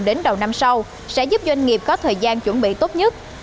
đến đầu năm sau sẽ giúp doanh nghiệp có thời gian chuẩn bị tốt nhất